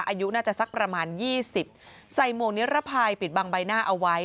อายุน่าจะสักประมาณยี่สิบใส่หมวกนิรภัยปิดบังใบหน้าเอาไว้